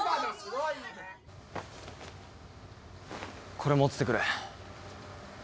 これ持っててくれ。